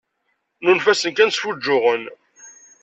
Nunef-asen kan sfuǧǧuɣen.